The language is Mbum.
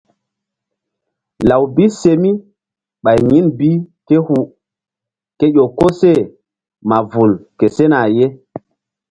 Law bi se mi ɓay yin bi ké hu ke ƴo koseh ma vul ke sena ye.